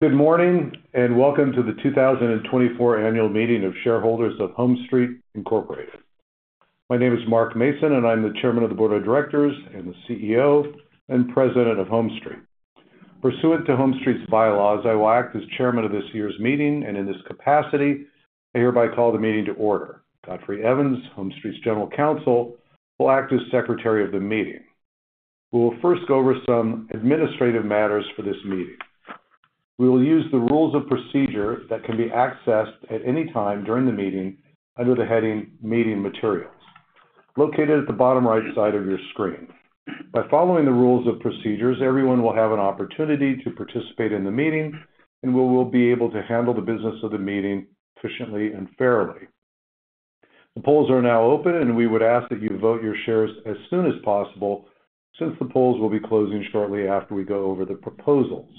Good morning and welcome to the 2024 annual meeting of shareholders of HomeStreet, Inc. My name is Mark Mason, and I'm the Chairman of the Board of Directors, the CEO, and President of HomeStreet. Pursuant to HomeStreet's bylaws, I will act as Chairman of this year's meeting, and in this capacity, I hereby call the meeting to order. Godfrey Evans, HomeStreet's General Counsel, will act as Secretary of the meeting. We will first go over some administrative matters for this meeting. We will use the rules of procedure that can be accessed at any time during the meeting under the heading "Meeting Materials," located at the bottom right side of your screen. By following the rules of procedure, everyone will have an opportunity to participate in the meeting, and we will be able to handle the business of the meeting efficiently and fairly. The polls are now open, and we would ask that you vote your shares as soon as possible since the polls will be closing shortly after we go over the proposals.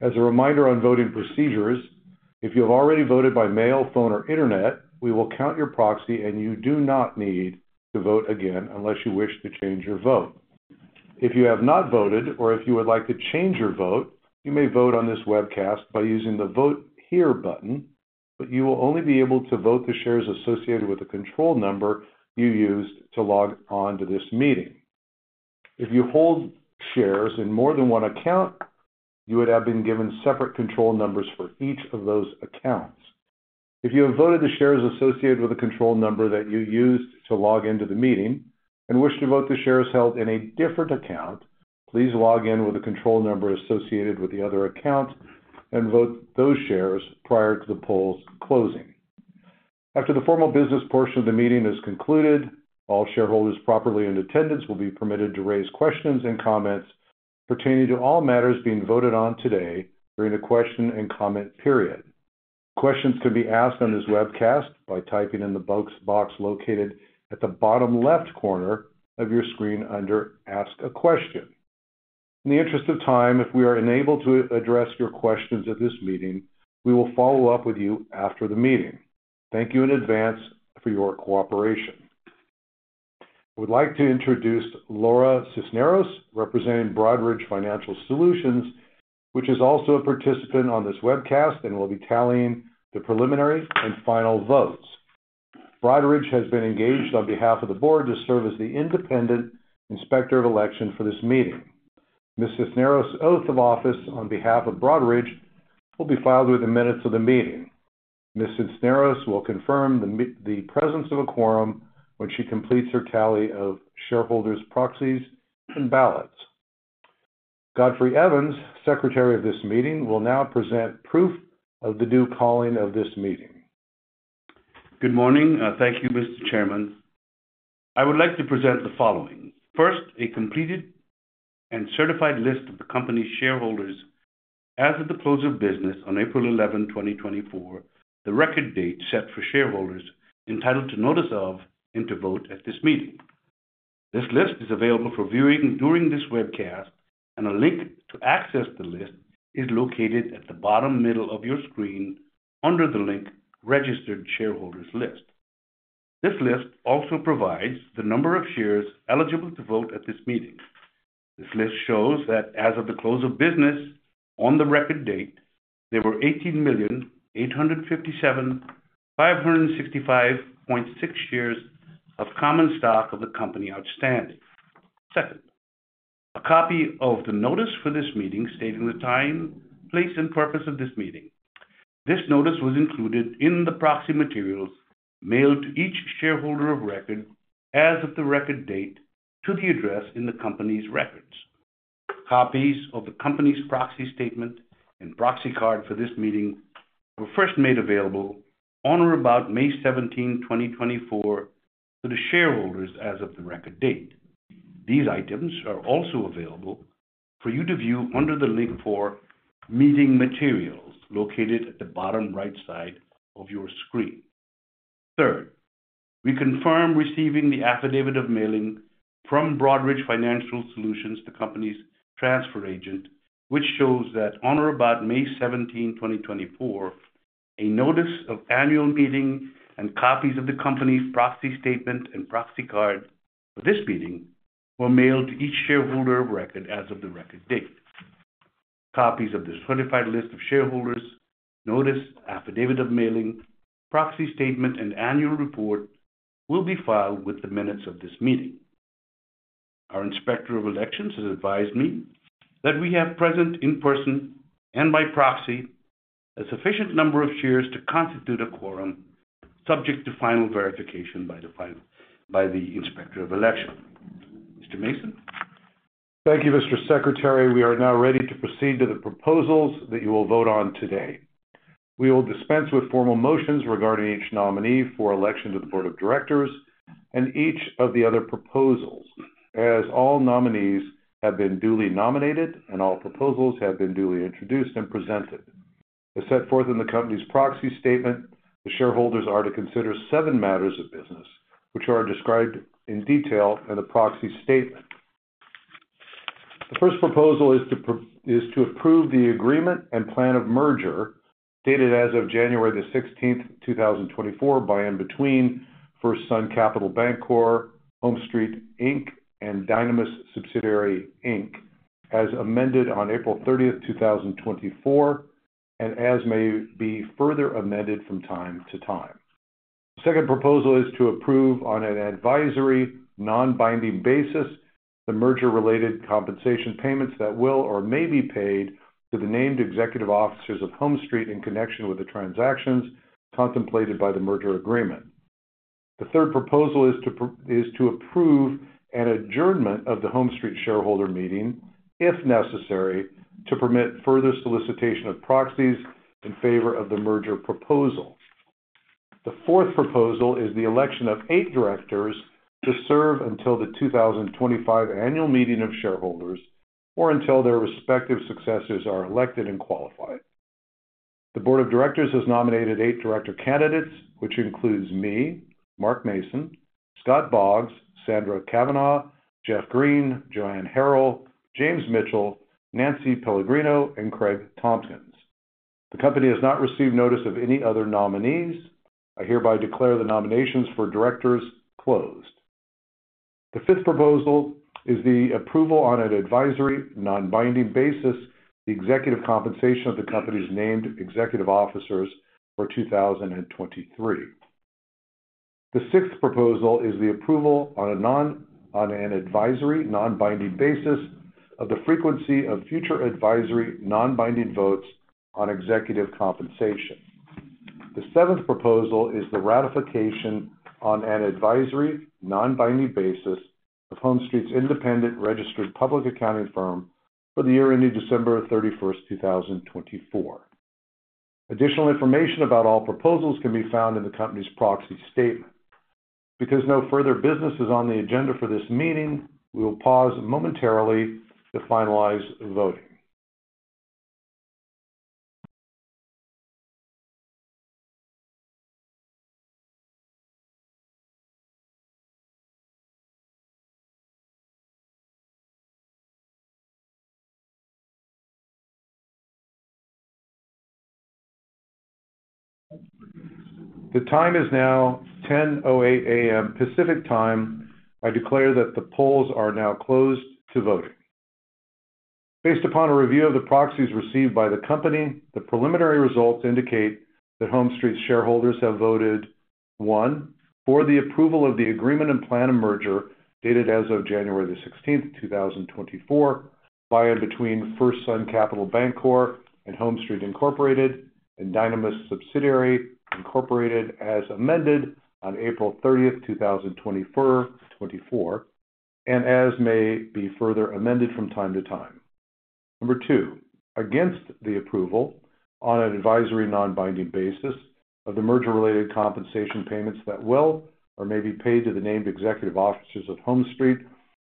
As a reminder on voting procedures, if you have already voted by mail, phone, or internet, we will count your proxy, and you do not need to vote again unless you wish to change your vote. If you have not voted or if you would like to change your vote, you may vote on this webcast by using the "Vote Here" button, but you will only be able to vote the shares associated with the control number you used to log on to this meeting. If you hold shares in more than one account, you would have been given separate control numbers for each of those accounts. If you have voted the shares associated with the control number that you used to log into the meeting and wish to vote the shares held in a different account, please log in with the control number associated with the other account and vote those shares prior to the polls closing. After the formal business portion of the meeting is concluded, all shareholders properly in attendance will be permitted to raise questions and comments pertaining to all matters being voted on today during the question and comment period. Questions can be asked on this webcast by typing in the box located at the bottom left corner of your screen under "Ask a Question." In the interest of time, if we are unable to address your questions at this meeting, we will follow up with you after the meeting. Thank you in advance for your cooperation. I would like to introduce Laura Cisneros, representing Broadridge Financial Solutions, which is also a participant on this webcast and will be tallying the preliminary and final votes. Broadridge has been engaged on behalf of the board to serve as the independent inspector of election for this meeting. Ms. Cisneros' oath of office on behalf of Broadridge will be filed within minutes of the meeting. Ms. Cisneros will confirm the presence of a quorum when she completes her tally of shareholders' proxies and ballots. Godfrey Evans, Secretary of this meeting, will now present proof of the due calling of this meeting. Good morning. Thank you, Mr. Chairman. I would like to present the following. First, a completed and certified list of the company's shareholders as of the close of business on April 11, 2024, the record date set for shareholders entitled to notice of and to vote at this meeting. This list is available for viewing during this webcast, and a link to access the list is located at the bottom middle of your screen under the link "Registered Shareholders List." This list also provides the number of shares eligible to vote at this meeting. This list shows that as of the close of business on the record date, there were 18,857,565.6 shares of common stock of the company outstanding. Second, a copy of the notice for this meeting stating the time, place, and purpose of this meeting. This notice was included in the proxy materials mailed to each shareholder of record as of the record date to the address in the company's records. Copies of the company's proxy statement and proxy card for this meeting were first made available on or about May 17, 2024, to the shareholders as of the record date. These items are also available for you to view under the link for meeting materials located at the bottom right side of your screen. Third, we confirm receiving the affidavit of mailing from Broadridge Financial Solutions, the company's transfer agent, which shows that on or about May 17, 2024, a notice of annual meeting and copies of the company's proxy statement and proxy card for this meeting were mailed to each shareholder of record as of the record date. Copies of the certified list of shareholders, notice, Affidavit of Mailing, Proxy Statement, and annual report will be filed within minutes of this meeting. Our inspector of election has advised me that we have present in person and by proxy a sufficient number of shares to constitute a quorum subject to final verification by the inspector of election. Mr. Mason? Thank you, Mr. Secretary. We are now ready to proceed to the proposals that you will vote on today. We will dispense with formal motions regarding each nominee for election to the Board of Directors and each of the other proposals. As all nominees have been duly nominated and all proposals have been duly introduced and presented, as set forth in the company's proxy statement, the shareholders are to consider seven matters of business, which are described in detail in the proxy statement. The first proposal is to approve the Agreement and Plan of Merger dated as of January the 16th, 2024, by and between FirstSun Capital Bancorp, HomeStreet, Inc., and Dynamis Subsidiary, Inc. as amended on April 30th, 2024, and as may be further amended from time to time. The second proposal is to approve on an advisory non-binding basis the merger-related compensation payments that will or may be paid to the Named Executive Officers of HomeStreet in connection with the transactions contemplated by the merger agreement. The third proposal is to approve an adjournment of the HomeStreet shareholder meeting, if necessary, to permit further solicitation of proxies in favor of the merger proposal. The fourth proposal is the election of eight directors to serve until the 2025 annual meeting of shareholders or until their respective successors are elected and qualified. The Board of Directors has nominated eight director candidates, which includes me, Mark Mason, Scott Boggs, Sandra Cavanaugh, Jeff Green, Joanne Harrell, James Mitchell, Nancy Pellegrino, and Craig Tompkins. The company has not received notice of any other nominees. I hereby declare the nominations for directors closed. The fifth proposal is the approval on an advisory non-binding basis of the executive compensation of the company's named executive officers for 2023. The sixth proposal is the approval on an advisory non-binding basis of the frequency of future advisory non-binding votes on executive compensation. The seventh proposal is the ratification on an advisory non-binding basis of HomeStreet's independent registered public accounting firm for the year ending December 31st, 2024. Additional information about all proposals can be found in the company's proxy statement. Because no further business is on the agenda for this meeting, we will pause momentarily to finalize voting. The time is now 10:08 A.M. Pacific Time. I declare that the polls are now closed to voting. Based upon a review of the proxies received by the company, the preliminary results indicate that HomeStreet's shareholders have voted: 1, for the approval of the Agreement and Plan of Merger dated as of January the 16th, 2024, by and between FirstSun Capital Bancorp and HomeStreet, Inc. and Dynamis Subsidiary, Incorporated as amended on April 30th, 2024, and as may be further amended from time to time. Number 2, against the approval on an advisory non-binding basis of the merger-related compensation payments that will or may be paid to the named executive officers of HomeStreet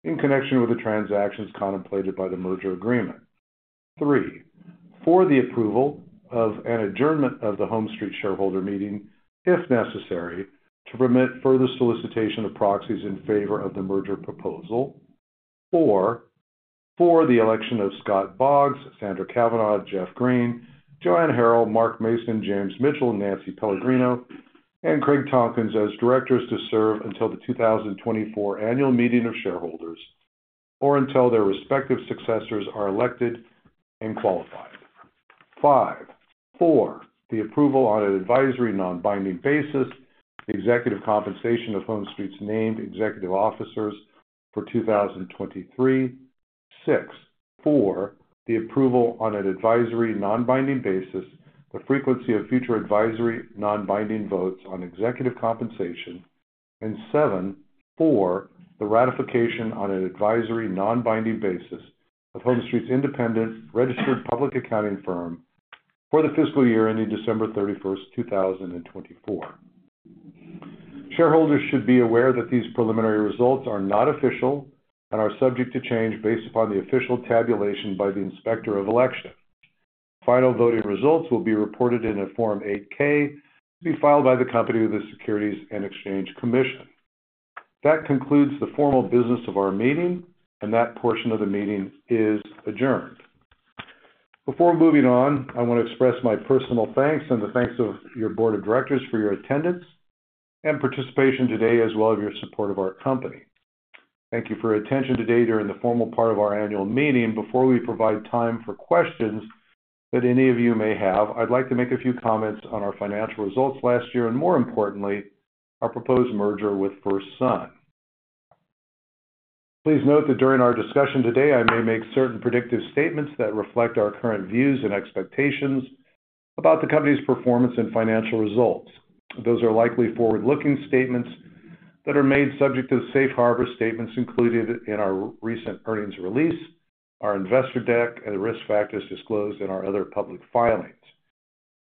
in connection with the transactions contemplated by the merger agreement. 3, for the approval of an adjournment of the HomeStreet shareholder meeting, if necessary, to permit further solicitation of proxies in favor of the merger proposal. Four, for the election of Scott Boggs, Sandra Cavanaugh, Jeff Green, Joanne Harrell, Mark Mason, James Mitchell, Nancy Pellegrino, and Craig Tompkins as directors to serve until the 2024 annual meeting of shareholders or until their respective successors are elected and qualified. Five, for the approval on an advisory non-binding basis of the executive compensation of HomeStreet's named executive officers for 2023. Six, for the approval on an advisory non-binding basis of the frequency of future advisory non-binding votes on executive compensation. And seven, for the ratification on an advisory non-binding basis of HomeStreet's independent registered public accounting firm for the fiscal year ending December 31st, 2024. Shareholders should be aware that these preliminary results are not official and are subject to change based upon the official tabulation by the inspector of election. Final voting results will be reported in a Form 8-K to be filed by the company with the Securities and Exchange Commission. That concludes the formal business of our meeting, and that portion of the meeting is adjourned. Before moving on, I want to express my personal thanks and the thanks of your Board of Directors for your attendance and participation today, as well as your support of our company. Thank you for your attention today during the formal part of our annual meeting. Before we provide time for questions that any of you may have, I'd like to make a few comments on our financial results last year and, more importantly, our proposed merger with FirstSun. Please note that during our discussion today, I may make certain predictive statements that reflect our current views and expectations about the company's performance and financial results. Those are likely forward-looking statements that are made subject to the safe harbor statements included in our recent earnings release, our investor deck, and the risk factors disclosed in our other public filings.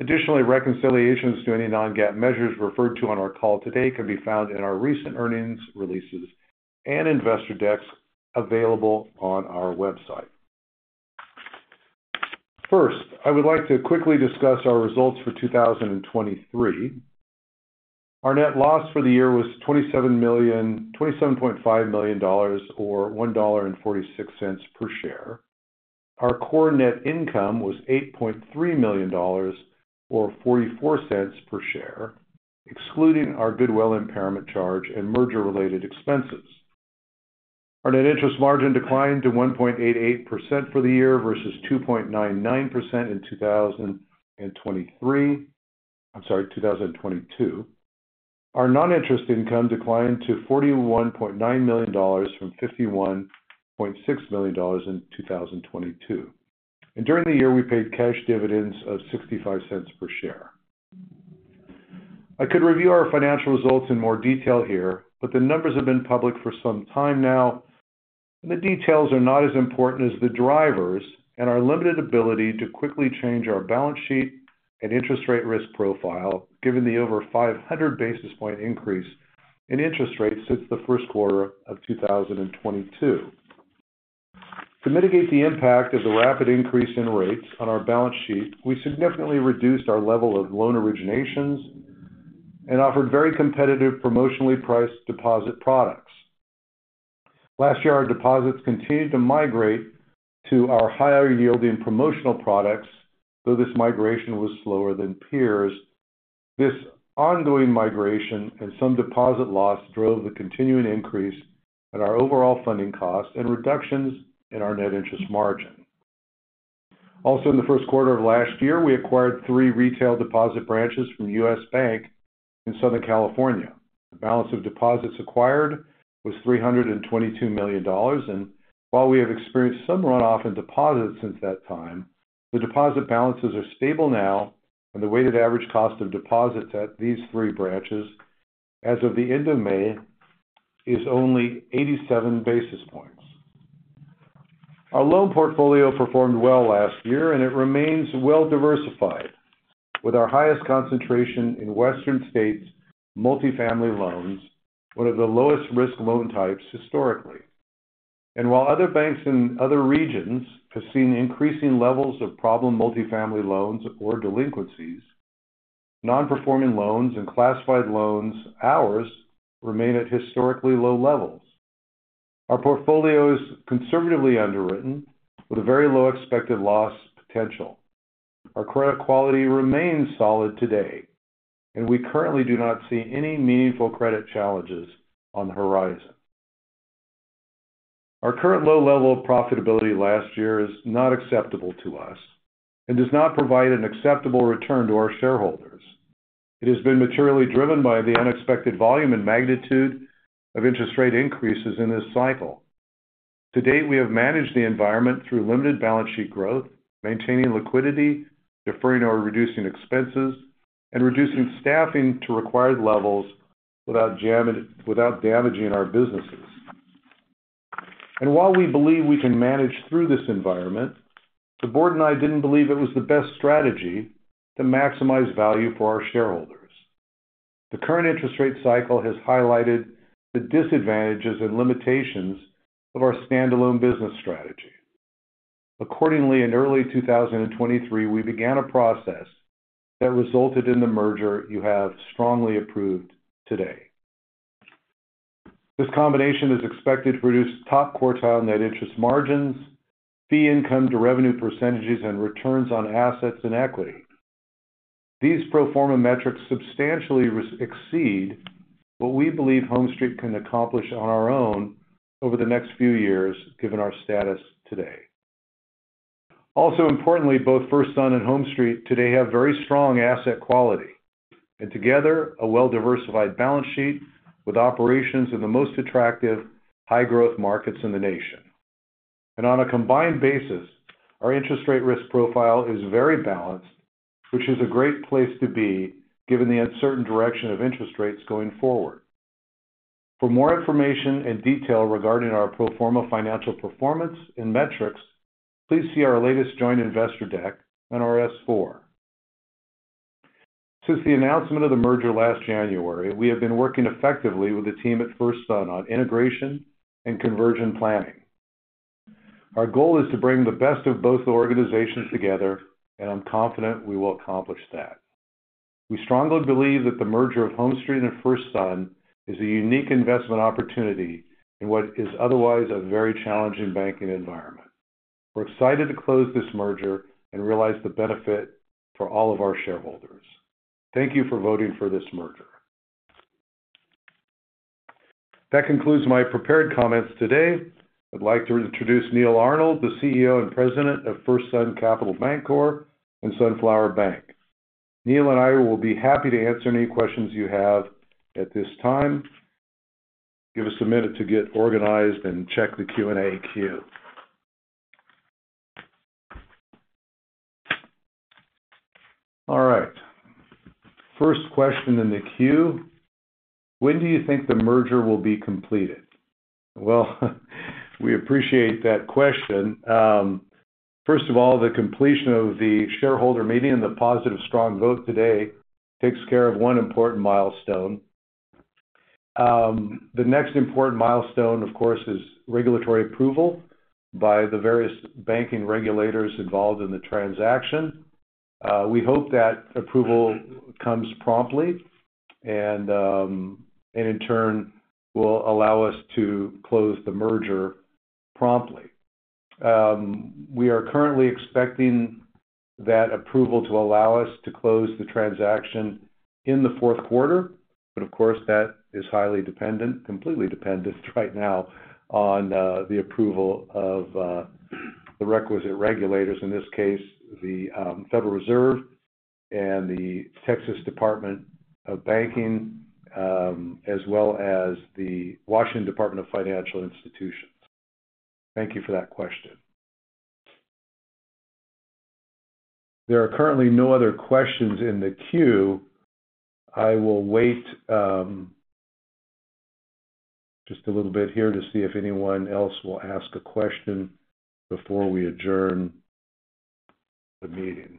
Additionally, reconciliations to any non-GAAP measures referred to on our call today can be found in our recent earnings releases and investor decks available on our website. First, I would like to quickly discuss our results for 2023. Our net loss for the year was $27.5 million or $1.46 per share. Our core net income was $8.3 million or $0.44 per share, excluding our goodwill impairment charge and merger-related expenses. Our net interest margin declined to 1.88% for the year versus 2.99% in 2022. Our non-interest income declined to $41.9 million from $51.6 million in 2022. During the year, we paid cash dividends of $0.65 per share. I could review our financial results in more detail here, but the numbers have been public for some time now, and the details are not as important as the drivers and our limited ability to quickly change our balance sheet and interest rate risk profile, given the over 500 basis point increase in interest rates since the first quarter of 2022. To mitigate the impact of the rapid increase in rates on our balance sheet, we significantly reduced our level of loan originations and offered very competitive promotionally priced deposit products. Last year, our deposits continued to migrate to our higher-yielding promotional products, though this migration was slower than peers. This ongoing migration and some deposit loss drove the continuing increase in our overall funding costs and reductions in our net interest margin. Also, in the first quarter of last year, we acquired three retail deposit branches from U.S. Bank in Southern California. The balance of deposits acquired was $322 million. While we have experienced some runoff in deposits since that time, the deposit balances are stable now, and the weighted average cost of deposits at these three branches as of the end of May is only 87 basis points. Our loan portfolio performed well last year, and it remains well diversified, with our highest concentration in Western states multifamily loans, one of the lowest risk loan types historically. While other banks in other regions have seen increasing levels of problem multifamily loans or delinquencies, our non-performing loans and classified loans our remain at historically low levels. Our portfolio is conservatively underwritten, with a very low expected loss potential. Our credit quality remains solid today, and we currently do not see any meaningful credit challenges on the horizon. Our current low-level profitability last year is not acceptable to us and does not provide an acceptable return to our shareholders. It has been materially driven by the unexpected volume and magnitude of interest rate increases in this cycle. To date, we have managed the environment through limited balance sheet growth, maintaining liquidity, deferring or reducing expenses, and reducing staffing to required levels without damaging our businesses. And while we believe we can manage through this environment, the board and I didn't believe it was the best strategy to maximize value for our shareholders. The current interest rate cycle has highlighted the disadvantages and limitations of our standalone business strategy. Accordingly, in early 2023, we began a process that resulted in the merger you have strongly approved today. This combination is expected to produce top-quartile net interest margins, fee income to revenue percentages, and returns on assets and equity. These pro forma metrics substantially exceed what we believe HomeStreet can accomplish on our own over the next few years, given our status today. Also, importantly, both FirstSun and HomeStreet today have very strong asset quality and together a well-diversified balance sheet with operations in the most attractive high-growth markets in the nation. On a combined basis, our interest rate risk profile is very balanced, which is a great place to be given the uncertain direction of interest rates going forward. For more information and detail regarding our pro forma financial performance and metrics, please see our latest Joint Investor Deck, Form S-4. Since the announcement of the merger last January, we have been working effectively with the team at FirstSun on integration and conversion planning. Our goal is to bring the best of both organizations together, and I'm confident we will accomplish that. We strongly believe that the merger of HomeStreet and FirstSun is a unique investment opportunity in what is otherwise a very challenging banking environment. We're excited to close this merger and realize the benefit for all of our shareholders. Thank you for voting for this merger. That concludes my prepared comments today. I'd like to introduce Neal Arnold, the CEO and President of FirstSun Capital Bancorp and Sunflower Bank. Neal and I will be happy to answer any questions you have at this time. Give us a minute to get organized and check the Q&A queue. All right. First question in the queue. When do you think the merger will be completed? Well, we appreciate that question. First of all, the completion of the shareholder meeting and the positive, strong vote today takes care of one important milestone. The next important milestone, of course, is regulatory approval by the various banking regulators involved in the transaction. We hope that approval comes promptly and, in turn, will allow us to close the merger promptly. We are currently expecting that approval to allow us to close the transaction in the fourth quarter, but of course, that is completely dependent right now on the approval of the requisite regulators, in this case, the Federal Reserve and the Texas Department of Banking, as well as the Washington Department of Financial Institutions. Thank you for that question. There are currently no other questions in the queue. I will wait just a little bit here to see if anyone else will ask a question before we adjourn the meeting.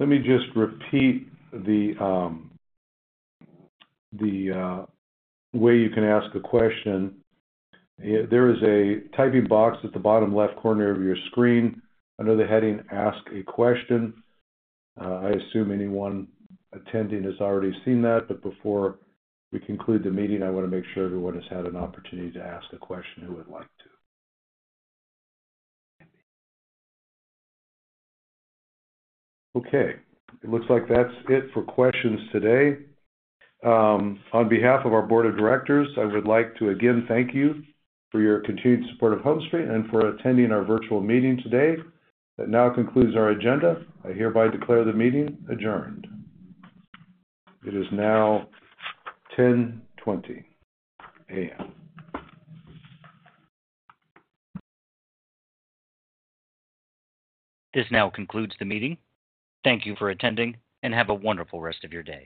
Let me just repeat the way you can ask a question. There is a typing box at the bottom left corner of your screen under the heading "Ask a Question." I assume anyone attending has already seen that, but before we conclude the meeting, I want to make sure everyone has had an opportunity to ask a question who would like to. Okay. It looks like that's it for questions today. On behalf of our Board of Directors, I would like to again thank you for your continued support of HomeStreet and for attending our virtual meeting today. That now concludes our agenda. I hereby declare the meeting adjourned. It is now 10:20 A.M. This now concludes the meeting. Thank you for attending and have a wonderful rest of your day.